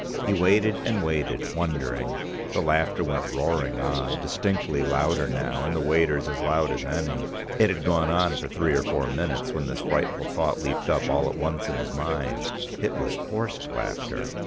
He waited, and waited wondering; the laughter went roaring on, distinctly louder now, and the waiters as loud as any. It had gone on for three or four minutes when this frightful thought leaped up all at once in his mind: _it was forced laughter!